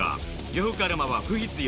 呂布カルマは「不必要」